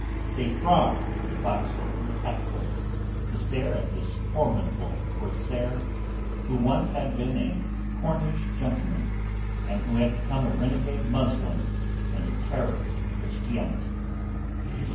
They thronged the forecastle and the hatchways to stare at this formidable corsair who once had been a Cornish gentleman and who had become a renegade Muslim and a terror to Christianity.